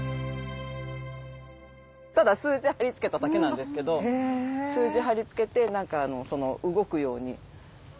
ただ数字貼り付けただけなんですけど数字貼り付けて何か動くように。